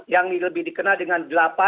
yang lebih dikenal dengan delapan delapan delapan